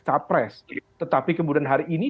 capres tetapi kemudian hari ini